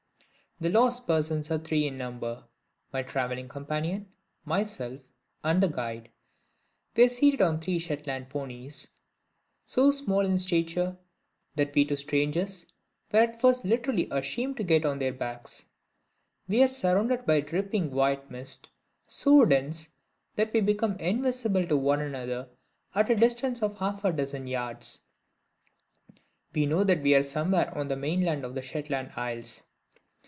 The lost persons are three in number. My traveling companion, myself, and the guide. We are seated on three Shetland ponies so small in stature, that we two strangers were at first literally ashamed to get on their backs. We are surrounded by dripping white mist so dense that we become invisible to one another at a distance of half a dozen yards. We know that we are somewhere on the mainland of the Shetland Isles.